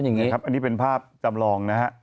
นี่เป็นภาพตำรอง